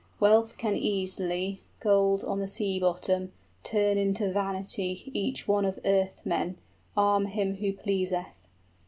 Wealth can easily, Gold on the sea bottom, turn into vanity 15 Each one of earthmen, arm him who pleaseth!